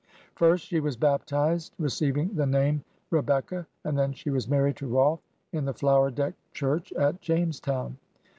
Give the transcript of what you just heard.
First she was baptized, receiving the name Re becca, and then she was married to Rolfe in the flower decked church at Jamestown.